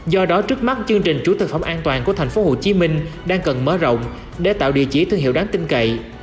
do đó trước mắt chương trình chủ thực phẩm an toàn của thành phố hồ chí minh đang cần mở rộng để tạo địa chỉ thương hiệu đáng tin cậy